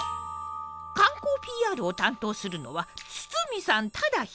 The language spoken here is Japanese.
観光ＰＲを担当するのは堤さんただ一人。